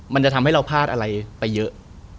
มันจะทำให้เราพลาดอะไรไปเยอะ